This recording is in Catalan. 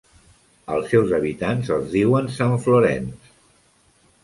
Als seus habitants els diuen "sanflorains".